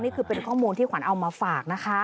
นี่คือเป็นข้อมูลที่ขวัญเอามาฝากนะคะ